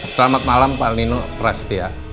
selamat malam p pak elino prasetya